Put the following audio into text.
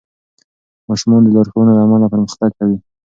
ماشومان د لارښوونو له امله پرمختګ کوي.